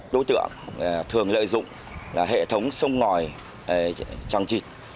đối tượng thường lợi dụng hệ thống sông ngòi tràn trịch